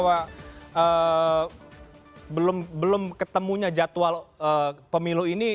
karena belum ketemunya jadwal pemilu ini